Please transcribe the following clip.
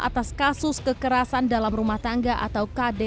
atas kasus kekerasan dalam rumah tangga atau kd